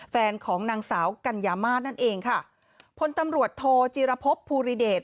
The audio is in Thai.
แฟนของนางสาวกัญญามาสนั่นเองค่ะพลตำรวจโทจีรพบภูริเดช